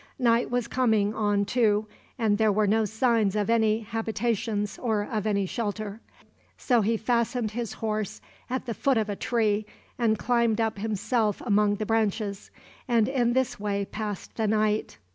Night was coming on too, and there were no signs of any habitations or of any shelter. So he fastened his horse at the foot of a tree, and climbed up himself among the branches, and in this way passed the night.